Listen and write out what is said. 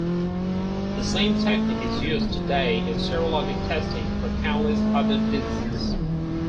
The same technique is used today in serologic testing for countless other diseases.